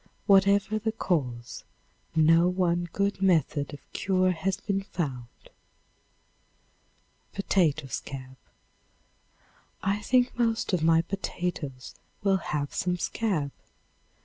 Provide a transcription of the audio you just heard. Whatever the cause, no one good method of cure has been found. Potato Scab. I think most of my potatoes will have some scab.